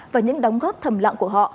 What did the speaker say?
và những đóng góp thầm lặng của họ